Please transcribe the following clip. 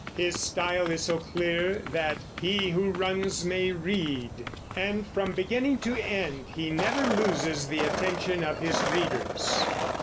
His style is so clear that "he who runs may read," and from beginning to end he never loses the attention of his readers.